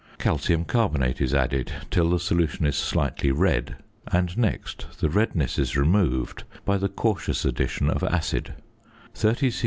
Calcium carbonate is added till the solution is slightly red; and next the redness is removed by the cautious addition of acid; 30 c.c.